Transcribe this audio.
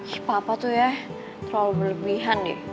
ih papa tuh ya terlalu berlebihan nih